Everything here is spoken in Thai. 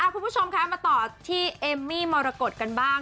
คุณผู้ชมคะมาต่อที่เอมมี่มรกฏกันบ้าง